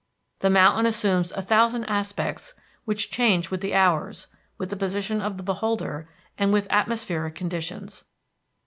The mountain assumes a thousand aspects which change with the hours, with the position of the beholder, and with atmospheric conditions.